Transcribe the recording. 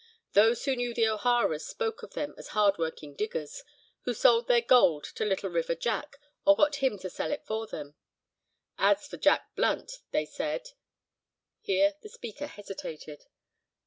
Those who knew the O'Haras spoke of them as hardworking diggers—who sold their gold to Little River Jack or got him to sell it for them. As for Jack Blunt they said—" here the speaker hesitated.